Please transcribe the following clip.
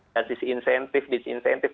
dan sisi insentif